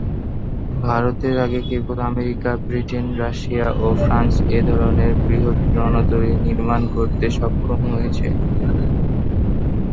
ভারতের আগে কেবল আমেরিকা, ব্রিটেন, রাশিয়া ও ফ্রান্স এ ধরনের বৃহৎ রণতরী নির্মাণ করতে সক্ষম হয়েছে।